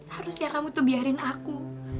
harusnya kamu tuh biarin aku